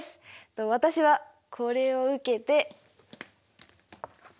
私はこれを受けて。